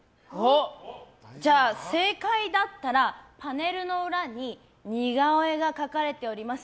じゃあ、正解だったらパネルの裏に似顔絵が描かれております。